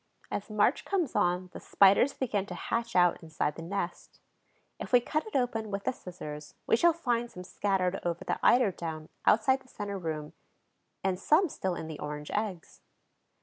As March comes on the Spiders begin to hatch out inside the nest. If we cut it open with the scissors we shall find some scattered over the eider down outside the center room, and some still in the orange eggs.